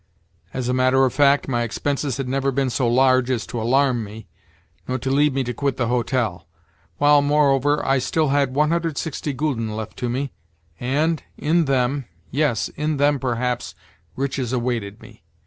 As a matter of fact, my expenses had never been so large as to alarm me, nor to lead me to quit the hotel; while, moreover, I still had 160 gülden left to me, and—in them—yes, in them, perhaps, riches awaited me.